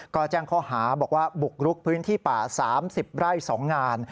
ก็แจ้งข้อหาบอกว่าบุกรุกพื้นที่ป่า๓๐ไร่๒งาน